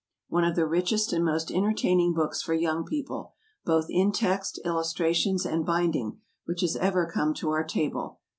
_ One of the richest and most entertaining books for young people, both in text, illustrations, and binding, which has ever come to our table.